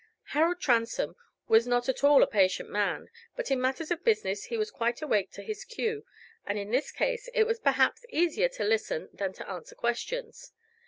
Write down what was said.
Harold Transome was not at all a patient man, but in matters of business he was quite awake to his cue, and in this case it was perhaps easier to listen than to answer questions.